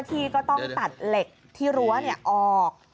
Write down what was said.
สักทีก็ต้องตัดเหล็กที่รั้วเนี่ยออก